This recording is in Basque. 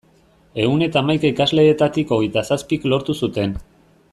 Ehun eta hamaika ikasleetatik hogeita zazpik lortu zuten.